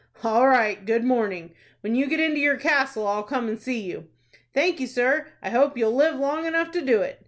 "All right, good morning! When you get into your castle, I'll come and see you." "Thank you, sir. I hope you'll live long enough to do it."